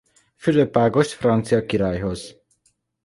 Fülöp Ágost francia királyhoz.